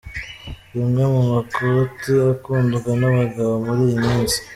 Rimwe mu makoti akunzwe n'abagabo muri iyi minsi.